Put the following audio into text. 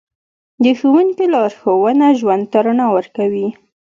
د ښوونکي لارښوونه ژوند ته رڼا ورکوي.